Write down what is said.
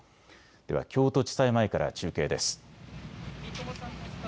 では京都地裁前から中継です。